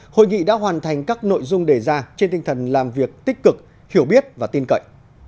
hội nghị đã hoàn thành các nội dung đề ra trên tinh thần làm việc tích cực hiểu biết và tin cậy